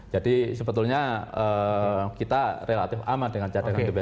jadi sebetulnya kita relatif aman dengan cadangan divisa